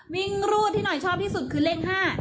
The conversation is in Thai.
วิ่งรูดที่หน่อยชอบที่สุดคือเลข๕